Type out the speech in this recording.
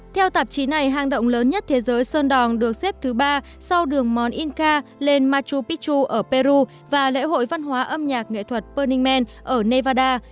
theo tạp chí này hang động lớn nhất thế giới sơn đòn được xếp thứ ba sau đường mon inca lên machu picchu ở peru và lễ hội văn hóa âm nhạc nghệ thuật berning man ở nevada